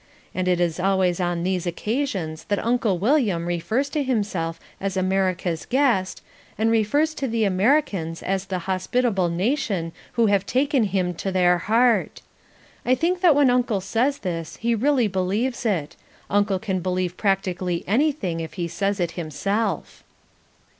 And it is always on these occasions that Uncle William refers to himself as America's guest, and refers to the Americans as the hospitable nation who have taken him to their heart. I think that when Uncle says this he really believes it; Uncle can believe practically anything if he says it himself.